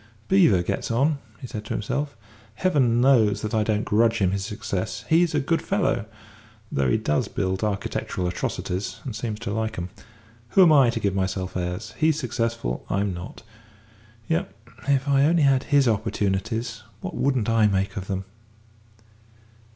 "Beevor gets on," he said to himself. "Heaven knows that I don't grudge him his success. He's a good fellow though he does build architectural atrocities, and seem to like 'em. Who am I to give myself airs? He's successful I'm not. Yet if I only had his opportunities, what wouldn't I make of them!"